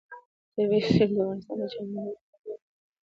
طبیعي زیرمې د افغانستان د چاپیریال د مدیریت لپاره ډېر مهم او اړین دي.